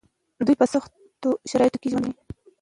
دوی په سختو شرايطو کې ژوند کاوه.